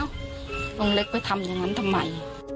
ลุงเล็กไปทำอย่างนั้นทำไม